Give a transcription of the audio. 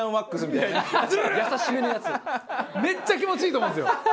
めっちゃ気持ちいいと思うんですよ。